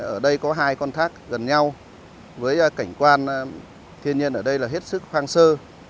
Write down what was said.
ở đây có hai con thác gần nhau với cảnh quan thiên nhiên ở đây là hết sức hoang sơ